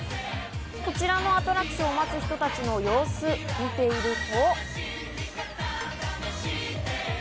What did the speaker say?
こちらのアトラクションを待つ人たちの様子を見ていると。